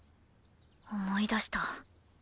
思い出した。